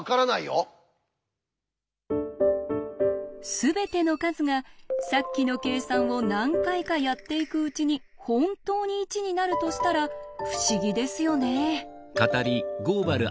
すべての数がさっきの計算を何回かやっていくうちに本当に１になるとしたら不思議ですよね。